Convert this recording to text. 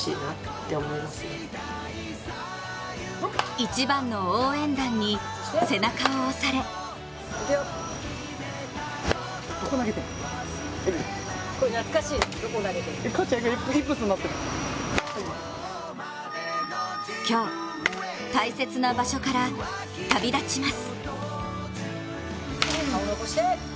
一番の応援団に背中を押され今日、大切な場所から旅立ちます。